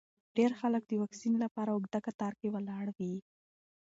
ډېر خلک د واکسین لپاره اوږده کتار کې ولاړ دي.